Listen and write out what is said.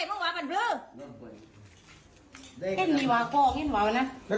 นี่มึงอย่างตังธรรมนี่มึงอย่างมัน